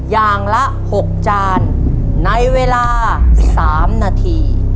อย่างละ๖จานในเวลา๓นาที